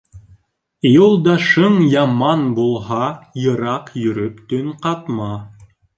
Юлдашын яман булһа, йыраҡ йөрөп төн ҡатма